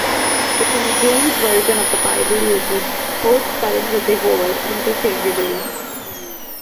The King James Version of the Bible uses both spellings of the word interchangeably.